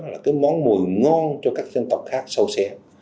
là cái món mùi ngon cho các dân tộc khác sâu xé